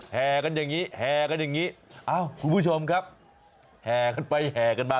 แห่กันอย่างนี้แห่กันอย่างนี้เอ้าคุณผู้ชมครับแห่กันไปแห่กันมา